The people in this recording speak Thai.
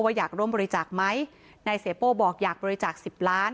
อยากร่วมบริจาคไหมนายเสียโป้บอกอยากบริจาคสิบล้าน